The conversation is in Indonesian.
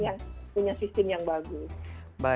yang punya sistem yang bagus